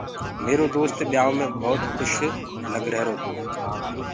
ميرو دوست ٻيآيو مي ڀوت کُش لگرهيرو تو۔